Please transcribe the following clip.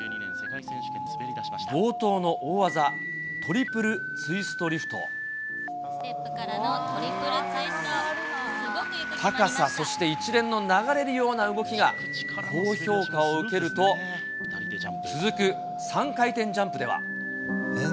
冒頭の大技、ステップからのトリプルツイ高さ、そして一連の流れるような動きが、高評価を受けると、続く３回転ジャンプでは。